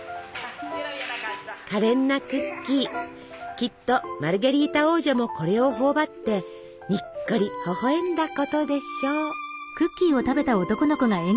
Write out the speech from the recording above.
きっとマルゲリータ王女もこれを頬張ってにっこりほほ笑んだことでしょう。